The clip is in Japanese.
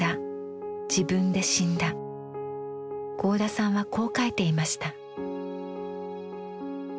合田さんはこう描いていました。